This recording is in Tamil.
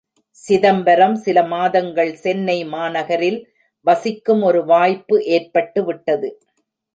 சிதம்பரம் சில மாதங்கள் சென்னை மாநகரில் வசிக்கும் ஒரு வாய்ப்பு ஏற்பட்டு விட்டது.